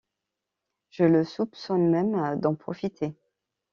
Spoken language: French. Je le soupçonne même d’en profiter.